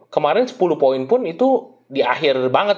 kemarin sepuluh poin pun itu di akhir banget